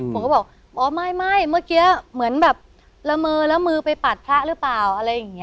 ผมก็บอกอ๋อไม่เมื่อกี้เหมือนแบบละเมอแล้วมือไปปัดพระหรือเปล่าอะไรอย่างนี้